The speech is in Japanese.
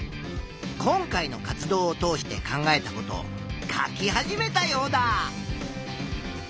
今回の活動を通して考えたことを書き始めたヨウダ。